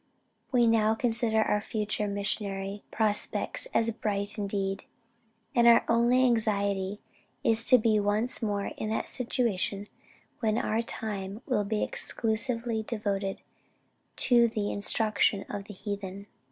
We now consider our future missionary prospects as bright indeed, and our only anxiety is to be once more in that situation when our time will be exclusively devoted to the instruction of the heathen.